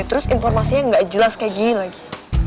terus informasinya nggak jelas kayak gini lagi